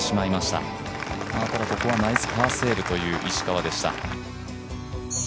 ただ、ここはナイスパーセーブという石川でした。